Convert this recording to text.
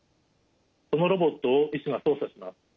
そのロボットを医師が操作します。